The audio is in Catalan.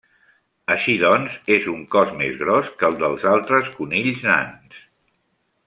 Així doncs, és un cos més gros que el dels altres conills nans.